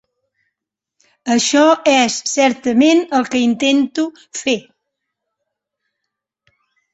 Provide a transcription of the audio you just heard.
Això és certament el que intento fer.